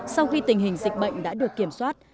sau khi tình hình dịch bệnh đã được kiểm soát